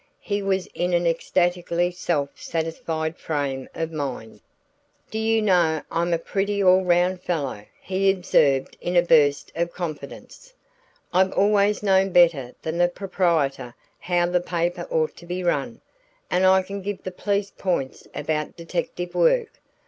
He was in an ecstatically self satisfied frame of mind. "Do you know I'm a pretty all round fellow," he observed in a burst of confidence. "I've always known better than the proprietor how the paper ought to be run, and I can give the police points about detective work.